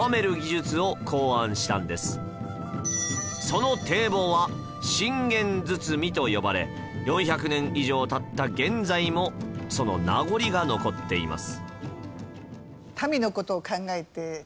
その堤防は信玄堤と呼ばれ４００年以上経った現在もその名残が残っています